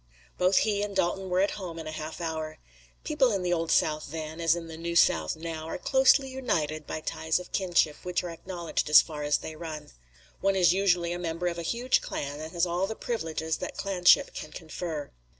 Both he and Dalton were at home in a half hour. People in the Old South then, as in the New South now, are closely united by ties of kinship which are acknowledged as far as they run. One is usually a member of a huge clan and has all the privileges that clanship can confer.